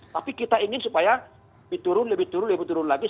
tapi kita ingin supaya lebih turun lebih turun lebih turun lagi